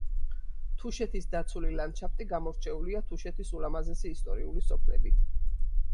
თუშეთის დაცული ლანდშაფტი გამორჩეულია თუშეთის ულამაზესი ისტორიული სოფლებით.